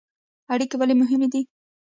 اړیکې ولې مهمې دي؟